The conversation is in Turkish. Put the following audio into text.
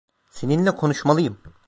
Seninle konuşmalıyım.